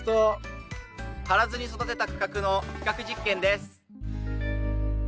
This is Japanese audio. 張らずに育てた区画の比較実験です。